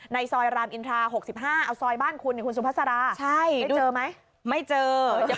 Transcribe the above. ในซอยรามอินทรา๖๕เอาซอยบ้านคุณคุณสุภาษาราใช่ไม่เจอไหม